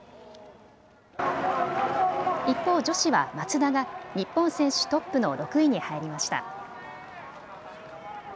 一方、女子は松田が日本選手トップの６位に入りました。